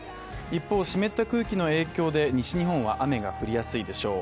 一方湿った空気の影響で西日本は雨が降りやすいでしょう。